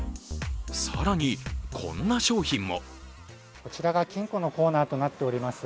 更にこんな商品も。